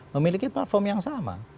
memiliki platform yang sama